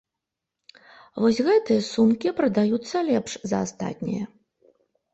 Вось гэтыя сумкі прадаюцца лепш за астатняе.